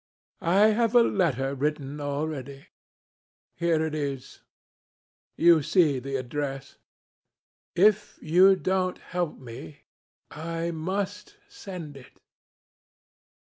I have a letter written already. Here it is. You see the address. If you don't help me, I must send it.